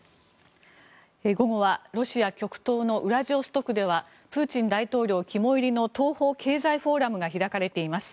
午後はロシア極東のウラジオストクではプーチン大統領肝煎りの東方経済フォーラムが開かれています。